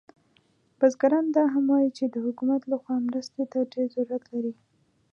بزګران دا هم وایي چې د حکومت له خوا مرستې ته ډیر ضرورت لري